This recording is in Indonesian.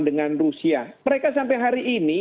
dengan rusia mereka sampai hari ini